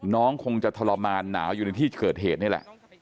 น้องคงจะทรมานหนาวอยู่ในที่เกิดเหตุนี่แหละ